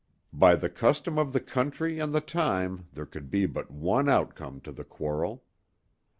By the custom of the country and the time there could be but one outcome to the quarrel.